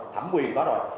thẩm quyền có rồi